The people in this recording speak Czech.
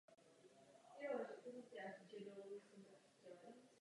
Skladatel Max je ústřední postavou celého díla.